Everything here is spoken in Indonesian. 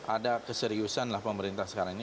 ada keseriusan lah pemerintah sekarang ini